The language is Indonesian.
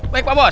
baik pak bos